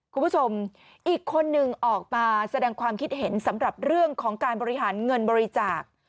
คุณผู้ชมอีกคนนึงออกมาแสดงความคิดเห็นสำหรับเรื่องของการบริหารเงินบริจาค